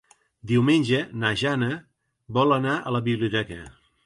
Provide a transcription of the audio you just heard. Diumenge na Jana vol anar a la biblioteca.